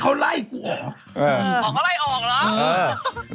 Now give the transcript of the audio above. เขาไล่ออกเหรอ